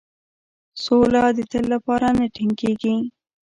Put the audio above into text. سوله د تل لپاره نه ټینګیږي.